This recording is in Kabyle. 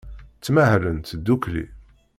Ttmahalent ddukkli.